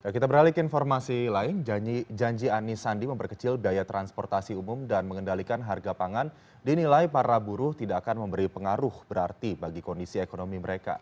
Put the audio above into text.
kita beralih ke informasi lain janji anis sandi memperkecil daya transportasi umum dan mengendalikan harga pangan dinilai para buruh tidak akan memberi pengaruh berarti bagi kondisi ekonomi mereka